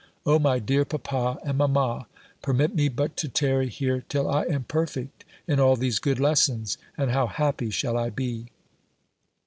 O my dear papa and mamma, permit me but to tarry here till I am perfect in all these good lessons, and how happy shall I be!